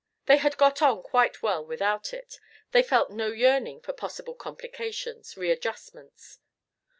They had got on quite well without it; they felt no yearning for possible complications, readjustments.